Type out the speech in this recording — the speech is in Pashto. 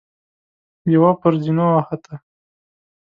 يوه پر زينو وخته.